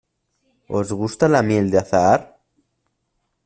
¿Os gusta la miel de azahar?